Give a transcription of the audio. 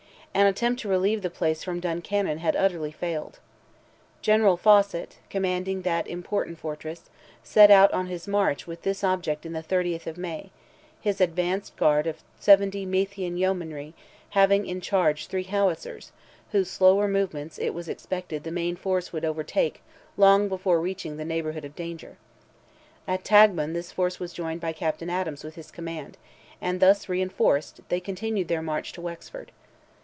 An attempt to relieve the place from Duncannon had utterly failed. General Fawcett, commanding that important fortress, set out on his march with this object on the 30th of May—his advanced guard of 70 Meathian yeomanry, having in charge three howitzers, whose slower movements it was expected the main force would overtake long before reaching the neighbourhood of danger. At Taghmon this force was joined by Captain Adams with his command, and thus reinforced they continued their march to Wexford.